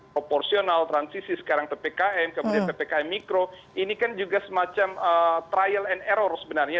proporsional transisi sekarang ppkm kemudian ppkm mikro ini kan juga semacam trial and error sebenarnya